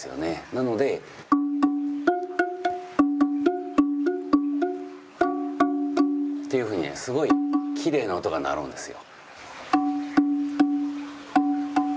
なので。っていうふうにねすごいきれいな音が鳴るんですよ。